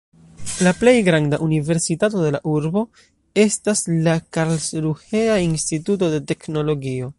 La plej granda universitato de la urbo estas la Karlsruhea Instituto de Teknologio.